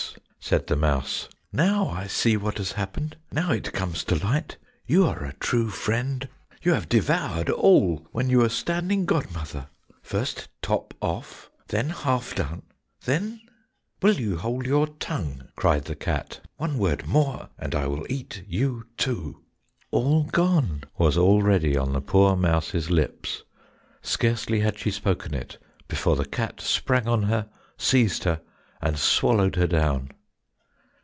said the mouse, "now I see what has happened, now it comes to light! You are a true friend! You have devoured all when you were standing godmother. First top off, then half done, then—." "Will you hold your tongue," cried the cat, "one word more and I will eat you too." "All gone" was already on the poor mouse's lips; scarcely had she spoken it before the cat sprang on her, seized her, and swallowed her down.